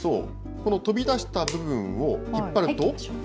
この飛び出した部分を引っ張ると。